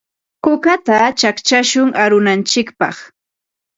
Kukata chaqchashun arunantsikpaq.